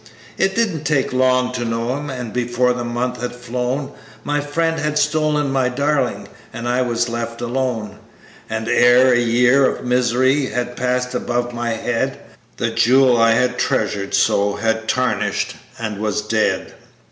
"It didn't take long to know him, and before the month had flown My friend had stole my darling, and I was left alone; And ere a year of misery had passed above my head, The jewel I had treasured so had tarnished and was dead.